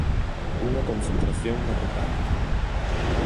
Unha concentración na Bretaña.